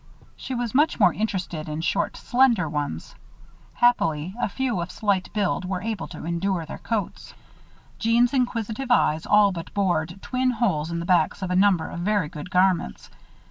She was much more interested in short, slender ones. Happily, a few of slight build were able to endure their coats. Jeanne's inquisitive eyes all but bored twin holes in the backs of a number of very good garments.